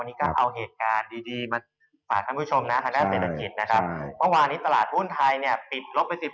วันนี้ก็เอาเหตุการณ์ดีมาฝากให้คุณผู้ชมนะคณะเศรษฐกิจนะครับ